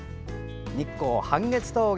日光半月峠。